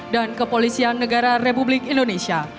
dan kepolisian negara republik indonesia